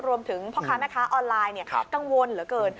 พ่อค้าแม่ค้าออนไลน์กังวลเหลือเกิน